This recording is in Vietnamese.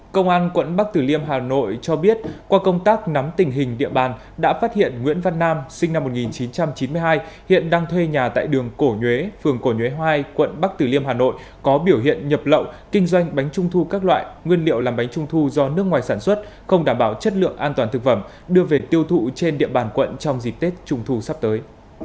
công an quận bắc tử liêm hà nội cho biết qua công tác nắm tình hình địa bàn đã phát hiện nguyễn văn nam sinh năm một nghìn chín trăm chín mươi hai hiện đang thuê nhà tại đường cổ nhuế phường cổ nhuế hoai quận bắc tử liêm hà nội có biểu hiện nhập lậu kinh doanh bánh trung thu các loại nguyên liệu làm bánh trung thu do nước ngoài sản xuất không đảm bảo chất lượng an toàn thực phẩm đưa về tiêu thụ trên địa bàn quận trong dịp tết trung thu sắp tới